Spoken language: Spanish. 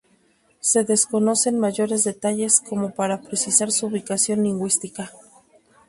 Se desconocen mayores detalles como para precisar su ubicación lingüística.